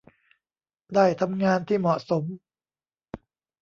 ได้ทำงานที่เหมาะสม